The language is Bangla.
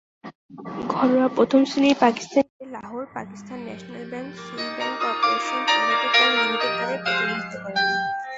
ঘরোয়া প্রথম-শ্রেণীর পাকিস্তানি ক্রিকেটে Lahore, Pakistan national bank, Sui gas corporation, united bank limited দলের প্রতিনিধিত্ব করেন।